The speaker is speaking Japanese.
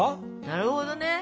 なるほど？